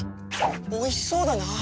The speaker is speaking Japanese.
おいしそうだな！